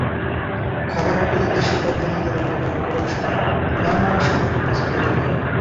খাবার হোটেলে দেশীয় পদ্ধতিতে রান্না করা কোরালসহ নানা সামুদ্রিক মাছের তরকারি পাওয়া যায়।